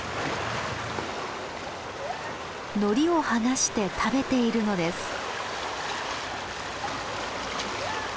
ノリを剥がして食べているのです。